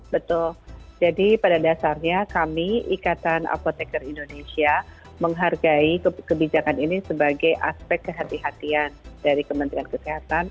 betul jadi pada dasarnya kami ikatan apotekar indonesia menghargai kebijakan ini sebagai aspek kehatian dari kementerian kesehatan